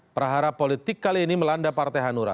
perahara politik kali ini melanda partai hanura